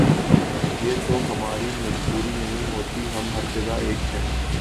تو یہ ہماری مجبوری نہیں ہوتی، ہم ہر جگہ ایک ہیں۔